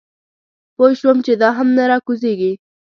پوی شوم چې دا هم نه راکوزېږي.